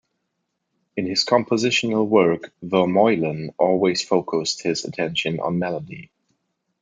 In his compositional work Vermeulen always focused his attention on melody.